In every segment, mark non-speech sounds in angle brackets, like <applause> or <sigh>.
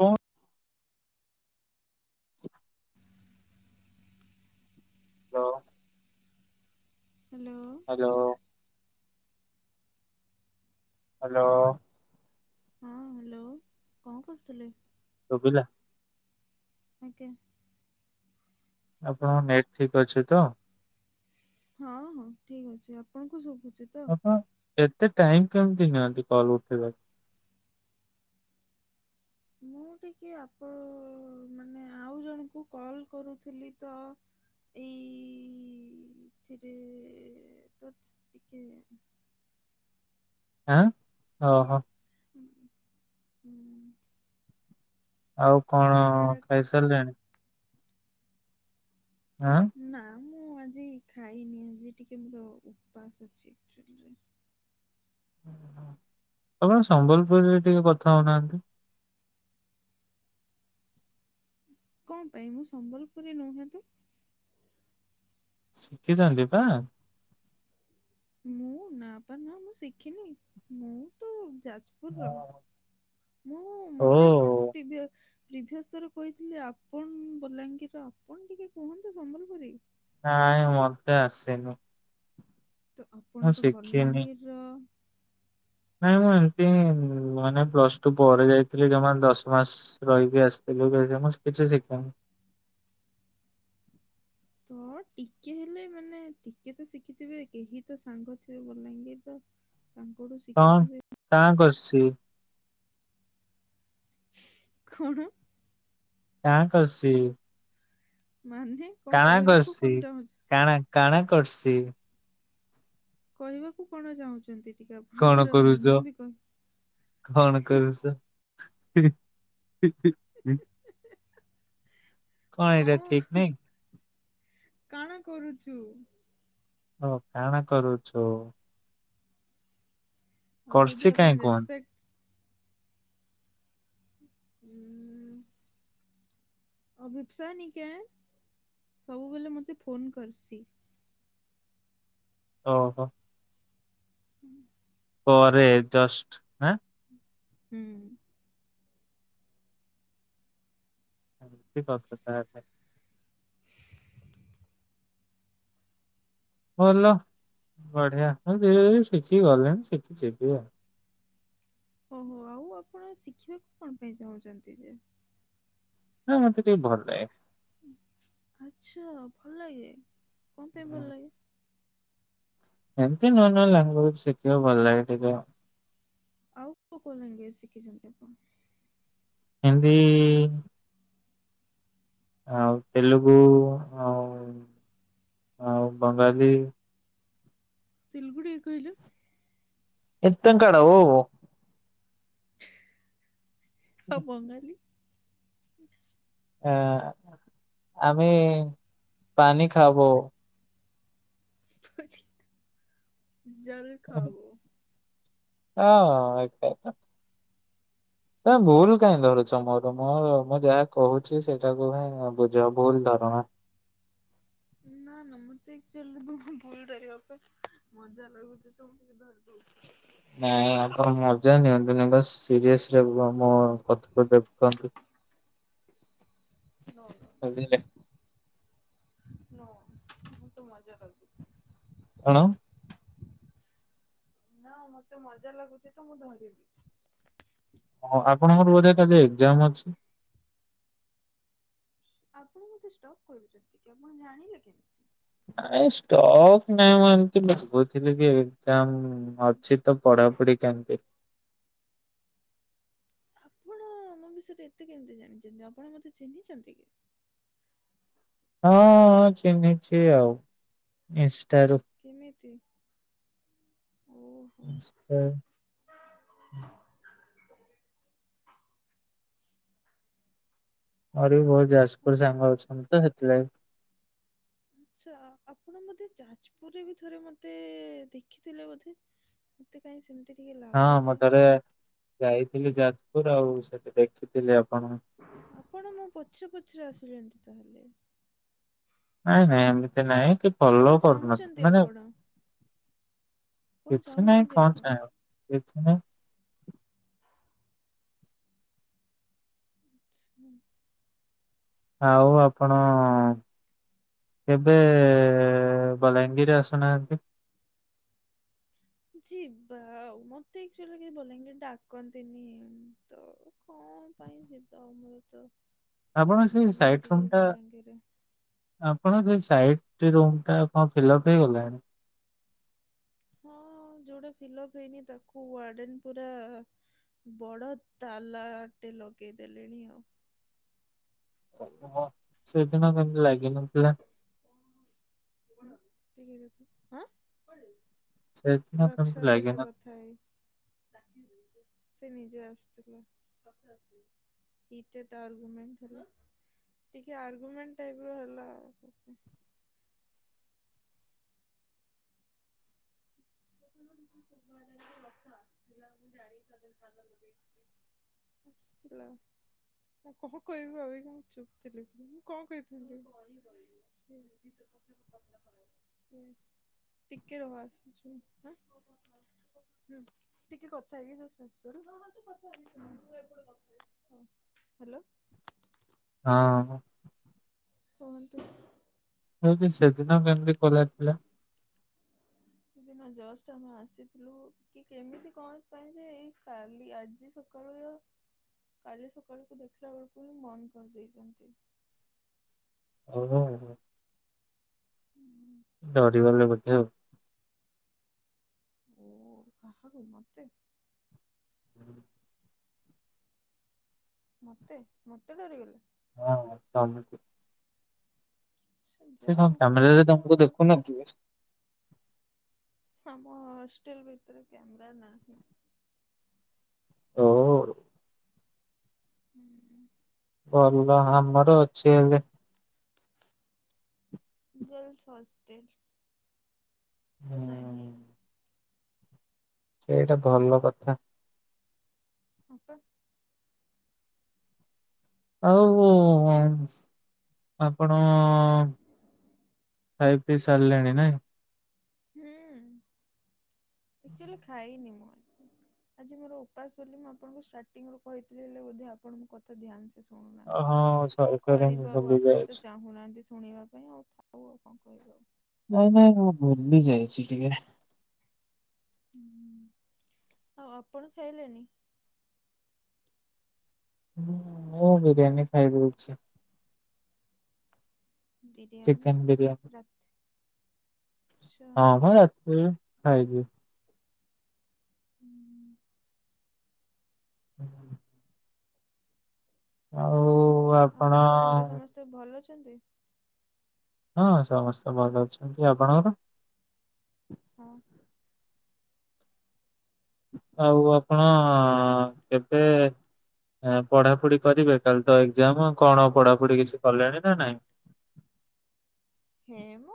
ହୁଁ। Hello. Hello. Hello. Hello. ହଁ hello କଣ କରୁଥିଲେ? ସୁବିଲା? ଆଜ୍ଞା। ଆପଣଙ୍କ ନେଟ୍ ଠିକ୍ ଅଛି ତ? ହଁ ହଁ ଠିକ୍ ଅଛି ଆପଣଙ୍କୁ ସୁବୁଛି? ଆପଣ ଏତେ ଟାଇମ୍ କେମିତି ନିଅନ୍ତି କଲ୍ ଉଠେଇବାକୁ। ମୁଁ ଟିକେ ଆପଣ ମାନେ ଆଉ ଜଣଙ୍କୁ କଲ୍ କରୁଥିଲି ତ। ଏଇଥିରେ ତ ଟିକେ ଆଁ? ଟିକେ ଓହୋ ହୁଁ। ଆଉ କଣ ତ ସେଇଟା ଖାଇ ସାରିଲେଣି? ଆଁ? ନା ମୁଁ ଆଜି ଖାଇନି ଆଜି ଟିକେ ମୋର ଉପାସ ଅଛି ଆକ୍‌ଚୁଆଲିରେ ଆପଣ ସମ୍ବଲପୁରିରେ ଟିକେ କଥା ହଉନାହାନ୍ତି? କଣ ପାଇଁ ମୁଁ ସମ୍ବଲପୁରି ନୁହେନ୍ତ? ଶିଖିଛନ୍ତି ତ? ମୁଁ ନା ପା ନା ମୁଁ ଶିଖିନି ମୁଁ ତ ଯାଜପୁ ପୁର ର ମୁଁ ଓ ମତେ ଆପଣ ପ୍ରିଭି ପ୍ରିଭିୟସ୍ ଥର କହିଥିଲେ ଆପଣ ବଲାଙ୍ଗୀର ର ଆପଣ ଟିକେ କୁହନ୍ତୁ ସମ୍ବଲପୁରୀ? ନାଇଁ ମତେ ଆସେନି। ତ ଆପଣ ମୁଁ ତ ଶିଖିନି। ବଲାଙ୍ଗୀରର। ନାଇଁ ମୁଁ ଏମିତି ହିଁ ମାନେ ପ୍ଲସ ଟୁ ପରେ ଯାଇଥିଲି ଯମା ଦଶ ମାସ ରହିକି ଆସିଥିଲି ଯେ ମୁ କିଛି ଶିଖିନି। ତ ଟିକେ ହେଲେ ମାନେ ଟିକେ ତ ଶିଖିଥିବେ କେହି ତ ସାଙ୍ଗ ଥିବେ ବଲାଙ୍ଗୀରି ର। ତାଙ୍କଠୁ ଶିଖିଥିବେ। ତା ଙ୍କସି ଖଣ? ଟାଁକଷି ମାନେ କଣ କହିବାକୁ କରସି? କଣ ଚାହୁଁଛ? କାଣା କାଣା କରୁସି? କହିବାକୁ କଣ ଚାହୁଁଛନ୍ତି ଟିକେ ଆପ କଣ କରୁଛ? କଣ କରୁଚ? କଣ ଏଇଟା ଠିକ୍ କଣ? ନାଇଁ କାଣା କରୁଚୁ? ହଁ, କାଣା କରୁଛୁ? ଆଉ କରସି ଯଦି କାହିଁ ଆପଣ କୁହନ୍ତି? ରେସପେକ୍ଟ ହୁଁ। ଅଭିପସାନି କେ ସବୁବେଳେ ମୋତେ ଫୋନ କରିସି। ଓହୋ! ପରେ ଜଷ୍ଟ ଆଁ ହୁଁ। <unintelligible> ଭଲ ବଢିଆ ମୁଁ ଧୀରେ ଧୀରେ ଶିଖି ଗଲିନି ଶିଖି ଯିବି ଆଉ। ଓହୋ ଆଉ ଆପଣ ଶିଖିବାକୁ କଣ ପାଇଁ ଚାହୁଁଛନ୍ତି ଯେ? ନାଇଁ ମତେ ଟିକେ ଭଲ ଲାଗେ। ଆଚ୍ଛା ଭଲ ଲାଗେ କଣ ପାଇଁ ଭଲ ଲାଗେ? ଏମିତି ନୂଆ ନୂଆ ଲାଙ୍ଗୁଏଜ ଶିଖିବାକୁ ଭଲ ଲାଗେ ଟିକେ ଆଉ। ଆଉ କୋଉ କୋଉ ଲାଙ୍ଗୁଏଜ ଶିଖିଛନ୍ତି ଆପଣ? ହିନ୍ଦୀ। ଆଉ ତେଲୁଗୁ ଆଉ ଆଉ ବଙ୍ଗାଲି। ତେଲୁଗୁ ଟିକେ କହିଲୁ? ଏତେ ଙ୍କାଡୋ ଓ ଓ। ଆଉ ବଙ୍ଗାଲି? ଆ ଆମେ ପାଣିି ଖାବୋ। ଜଲ ଖାବୋ। ହଁ ଏକାତା। ତମେ ଭୁଲ କାଇଁ ଧରୁଛ ମୋର ମୋ ମୁଁ ଯାହା କହୁଛି ସେଇଟାକୁ ହିଁ ବୁଝ ଭୁଲ ଧରନା। ନା ନା ମତେ ଆକଚୁଆଲି ଭୁଲ ଧରିବା ପାଇଁ ମଜା ଲାଗୁଛି ତ ଧରି ଦଉଛି। ନାଇଁ ଆପଣ ମଜା ନିଅନ୍ତୁନି ବାସ୍ ସିରିଏସ ରେ ମୋ କଥାକୁ ଦେଖନ୍ତୁ। ନୋ ନୋ ବୁଝିଲେ ନୋ ନୋ ମୁଁ ତ ମଜା ଲାଗୁଚି। କଣ? ନା ମତେ ମଜା ଲାଗୁଛି ତ ମୁଁ ଧରିବି। ହଁ ଆପଣଙ୍କର ବଧେ କାଲି ଏକ୍ଜାମ ଅଛି? ଆପଣ ମତେ ଷ୍ଟକ୍ କରୁଛନ୍ତି କି ଆପଣ ଜାଣିଲେ କେମିତି? ନାଇ ଷ୍ଟକ ନାଇଁ ମୁଁ ଏମିତି ବସ କହୁଥିଲି କି ଏକ୍ଜାମ ଅଛି ତ ପଢାପଢି କେମିତି ଆପଣ ଆମ ବିଷୟରେ ଏତେ କେମିତି ଜାଣିଛନ୍ତି ଆପଣ ମତେ ଚିହ୍ନିଛନ୍ତି କି? ହଁ ହଁ ଚିହ୍ନିଛି ଆଉ ଇନଷ୍ଟାରୁ। କେମିତି ଓହ ଇନଷ୍ଟା ସରୀ ବହୁତ ଯାଜପୁର ହଉ। ସାଙ୍ଗ ଅଛନ୍ତି ତ ସେଥିଲାଗି। ଆଚ୍ଛା ଆପଣ ବୋଧେ ଯାଜପୁରରେ ବି ଥରେ ମତେ ଦେଖିଥିଲେ ବୋଧେ। ମତେ କାହିଁ ସେମିତି ଟିକେ ହଁ ମୁଁ ଲାଗୁଚି। ଥରେ ଯାଇଥିଲି ଯାଜପୁର ଆଉ ସେଠି ଦେଖିଥିଲି ଆପଣଙ୍କୁ। ଆପଣ ମୋ ପଛରେ ପଛରେ ଆସୁଛନ୍ତି ତାହାଲେ? ନାଇଁ ନାଇଁ ଏମିତି ନାଇଁ କି କଣ ଫଲୋ କରୁନାହାନ୍ତି ଚାହୁଁଛନ୍ତି ମାନେ ଆପଣ କଣ କିଛି ନାହିଁ ଚାହୁଁଛନ୍ତି କଣ ଆପଣ ଚାହିଁବ। କିଛି ନାହିଁ। ଆଚ୍ଛା। ଆଉ ଆପଣ କେବେ ବଲାଙ୍ଗୀର ଆସୁନାହାନ୍ତି? ଯିବା ଆଉ ମତେ ଆକଚୁଆଲି କେବେ ବଲାଙ୍ଗୀର ଡାକନ୍ତିନି ତ କଣ ପାଇଁ ଯିବା ଆମର ତ ଆପଣ ସାଙ୍ଗ ସେଇ ନାହାନ୍ତି ସାଇଟ ରୁମ କେହି ଟା ବଲାଙ୍ଗୀରରେ ଆପଣଙ୍କ ସେ ସାଇଡ ରୁମ ଟା କଣ ଫିଲପ୍ ହେଇଗଲାଣି? ହଁ ଯୋଉଟା ଫିଲପ ହେଇନି ତାକୁ ୱାର୍ଡେନ ପୁରା ବଡ଼ ତାଲାଟେ ଲଗେଇଦେଲେଣି ଆଉ। ସେଦିନ କେମିତି ଲାଗିନଥିଲା। ହୁଁ ଟିକେ ରୁହ ତ ହଁ ସେଦିନ କେମିତି ରକ୍ଷା ସହିତ ଲାଗିନ କଥା ହେଇ। ସେ ନିଜେ ଆସିଥିଲା। ହିଟଡ ଆର୍ଗୁମେଣ୍ଟ ହେଲା। ଟିକେ ଆର୍ଗୁମେଣ୍ଟ ଟାଇପ ର ହେଲା। ମତେ ତ କିଛି ଶୁଭାଗଲାନି, ରକ୍ଷା ଆସିଥିଲା, ମୁଁ ଜାଣିକି ବୋଧେ କାନରେ ଲଗେଇଥିଲି। ଆସିଥିଲା। ମୁଁ କଣ କହିବି ଭାବିକି ମୁଁ ଚୁପ୍ ଥିଲି। ମୁଁ କଣ କହିଥାନ୍ତି? <unintelligible> <inaudible> ହୁଁ ଟିକେ ରୁହ ଆସୁଛିୁ ମୁ। <inaudible> ହୁଁ ଟିକେ କଥା ହେଇକି ଯଷ୍ଟ ଆସୁଛି ମୁ। ହଉ ହ୍ୟାଲୋ। ହଁ କୁହନ୍ତୁ। କେମିତି ସେଦିନ କେମିତି ଖୋଲା ଥିଲା। ସେଦିନ ଜଷ୍ଟ ଆମେ ଆସିଥିଲୁ କି କେମିତି କଣ ପାଇଁ ଯେ ଏଇ କାଲି ଆଜି ସ କଣ କହିଲ, କାଲି ସକାଳୁକୁ ଦେଖିଲା ବେଳକୁ ହିଁ ବନ୍ଦ କରିଦେଇଛନ୍ତି। <unintelligible> ହୁଁ ହୁଁ। ଡରିଗଲେ ବୋଧେ ଆଉ। କାହାକୁ ମତେ? <unintelligible> ମତେ ମତେ ଡରିଗଲେ। ହଁ ତମକୁ। ସେ ଯାହା କଣ ହଉ କ୍ୟାମେରା କେହି ରେ ତ ଗୋଟେ ତମକୁ ମତେ ଦେଖୁନଥିବେ। ଆମ ହଷ୍ଟେଲ ଭିତରେ କ୍ୟାମେରା ନାହିଁ। ଓ। ହୁଁ। ଭଲ ଆମର ଅଛି ହେଲେ। Girls hostel. ତ ନାହିଁ। ହୁଁ। ସେଇଟା ଭଲ କଥା। ହଁ ପା। ଆଉ ଆପଣ ଖାଇ ପି ସାରିଲେଣି ନାଇଁ। ହୁଁ ଆକଚୁଲି ଖାଇନି ମୁଁ ଆଜି ମୋର ଉପାସ ବୋଲି ମୁଁ ଆପଣଙ୍କୁ ଷ୍ଟାର୍ଟିଂ ରୁ କହିଥିଲି ହେଲେ ବୋଧେ ଆପଣ ମୋ କଥା ଧ୍ୟାନ ଶୁଣୁନାହାନ୍ତି, ହଁ ସରି କଣ ସରି ମୁଁ କରିବ ଆଉ ଭୁଲି ଆପଣ ତ ଯାଇଛି। ଚାହୁଁନାହାନ୍ତି ଶୁଣିବା ପାଇଁ ଆଉ ଥାଉ ଆପଣ କହିବି ଆଉ। ନାଇଁ ନାଇଁ ମୁଁ ଭୁଲି ଯାଇଛି ଟିକେ। ହୁଁ ଆଉ ଆପଣ ଖାଇଲେନି? ହୁଁ ମୁ ବିରିୟାନୀ ଖାଇଦେଇଛି। ବିରିୟାନୀ ଚିକେନ ବିରିୟାନୀ ହଁ ମ ରାଛ ରାତି ରେ ଖାଇଦିଏ। <unintelligible> ଆଉ ଆପଣ ଆପଣଙ୍କ ଘରେ ସମସ୍ତେ ଭଲ ଅଛନ୍ତି? ହଁ ସମସ୍ତେ ଭଲ ଅଛନ୍ତି, ଆପଣଙ୍କର? ହଁ। ଆଉ ଆପଣ କେବେ ପଢାପଢି କରିବେ କାଲି ତ ଏକ୍ଜାମ କଣ ପଢାପଢି କିଛି କଲେଣି ନା ନାଇଁ। ହେ ମୋ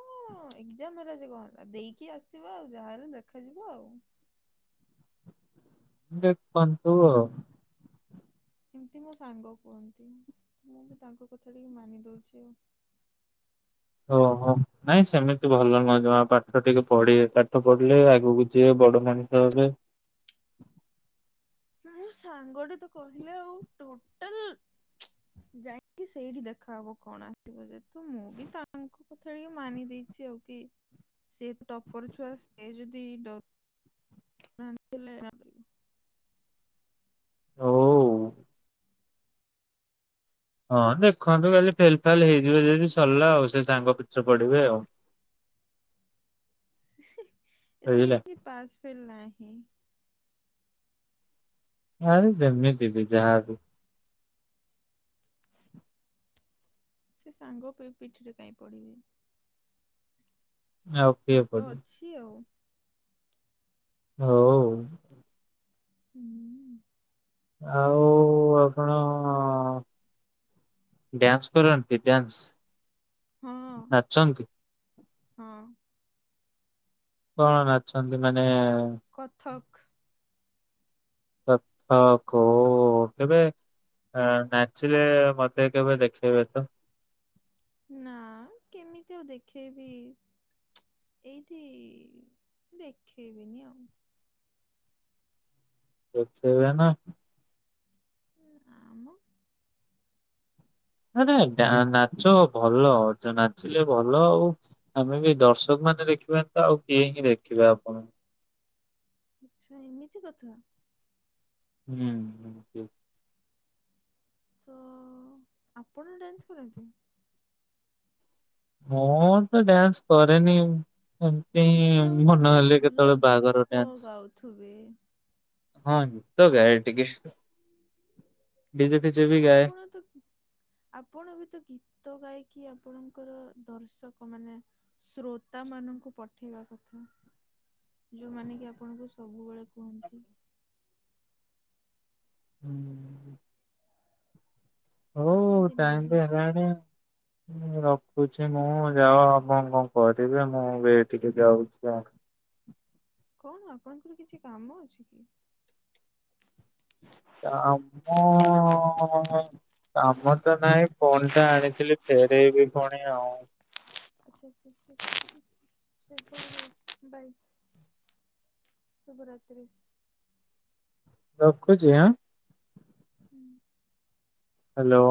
ଏଗଜାମ ହେଲା ଯେ କଣ ହେଲା ଦେଇକି ଆସିବା ଆଉ ଯାହାହେଲେ ଦେଖାଯିବ ଆଉ। ଦେଖନ୍ତୁ। ଏମିତି ମୋ ସାଙ୍ଗ କୁହନ୍ତି ମୁଁ ବି ତାଙ୍କ କଥା ଟିକେ ମାନି ଦଉଛି ଆଉ। ଓହୋ ନାଇଁ ସେମିତି ଭଲ ନୁହ ଜମା ପାଠ ଟିକେ ପଢିବେ ପାଠ ପଢିଲେ ଆଗକୁ ଯିବେ ବଡ ମ <unintelligible> ମୁଁ ସାଙ୍ଗଟେ ତ କହିଲା ଆଉ ଟୋଟାଲ ଯାଇକି ସେଇଠି ଦେଖାହବ କଣ ଆସିବ ଯେହେତୁ ମୁଁ ବି ତାଙ୍କ କଥା ଟିକେ ମାନି ଦେଇଛି ଆଉ। କି ସେ ତ ଟପର ଛୁଆ ସେ ଯଦିଡ ନାହାଁନ୍ତି <unintelligible> ଓ ଉ। ହଁ ଦେଖନ୍ତୁ କାଲି ଫେଲ ଫାଲ ହେଇଯିବେ ଯଦି ସରିଲା ଆଉ ସେ ସାଙ୍ଗ ପିଠୀ ରେ ପଡିବେ ଆଉ। ଏଥିରେ ବୁଝିଲେ କିଛି ପାସ୍ ଫେଲ ନାହିଁ। ଆରେ ଯେମିତି ବି ଯାହାବି। ସେ ସାଙ୍ଗ ପିଠିରେ କାଇଁ ପଡିବେ। ଆଉ କିଏ ସିଏ ତ ପଡିବ ଅଛି ଆଉ। ହଉ। ହୁଁ, ଆଉ ଆପଣ ଡ୍ୟାନ୍ସ କରନ୍ତି, ଡ୍ୟାନ୍ସ ହଁ ନାଚନ୍ତି? ହଁ। କଣ ନାଚନ୍ତି ମାନେ କଥକ। ତଥ ହଁ କୋ କେବେ ହଁ ନାଚିଲେ ମତେ କେବେ ଦେଖେଇବେତ? ନା କେମିତି ଆଉ ଦେଖେଇବି? ଏଇଠି ଦେଖେଇବିନି ଆଉ। ଦେଖେଇବେନା। ନାମୋ। ନାଁ ନାଇଁ ଡା ନାଚ ଭଲ ଯଉ ନାଚିଲେ ଭଲ ଆଉ। ଆମେବି ଦର୍ଶକ ମାନେ ଦେଖିବେନିତ ଆଉ କିଏହିଁ ଦେଖିବେ ଆପଣ ଆଚ୍ଛା ଏମିତି କଥା। ହୁଁ ଏମିତି। ତ ଆପଣ ଡ୍ୟାନ୍ସ କରନ୍ତି? ମୁଁତ ଡ୍ୟାନ୍ସ କରେନି ସେମି ତି ମତେ ଲାଗୁଛି ମନ ଆପଣ ହେଲେ ଭଲ କେତେବେଳେ ବାହାଘର ଗୀତ ଡ୍ୟାନ୍ସ ଗାଉଥିବେ ହଁ ଗୀତ ଗାଏ ଟିକେ। ଡିଜେ ଫିଜେ ବି ତ ଗାଏ। ଆପଣତ ଆପଣବିତ ଗୀତ ଗାଇକି ଆପଣଙ୍କର ଦର୍ଶକ ମାନେ ଶ୍ରୋତା ମାନଙ୍କୁ ପଠେଇବା କଥା। ଯୋଉମାନେକି ଆପଣଙ୍କୁ ସବୁବେଳେ କୁହନ୍ତି। ହୁଁ। ହଉ ପଠାନ୍ତିନି ବୋଧେ ଟାଇମିବି ହେଲାଣି ରଖୁଛି ମୁଁ ଯାଅ ଆପଣ କଣ କରିବେ ମୁଁ ଏଠିକି ଯାଉଛି ଆଉ। କଣ ଆପଣଙ୍କର କିଛି କାମ ଅଛିକି? କାମ କାମତ ନାଇଁ ଫୋନଟା ଆଣିଥିଲି ଫେରଇବି ପୁଣି ଆଉ। ଆଛା ଆଛା ବାଇ <unintelligible> ଶୁଭ ରାତ୍ରି। ରଖୁଚି ଆଃ। ହୁଁ। ହାଲୋ।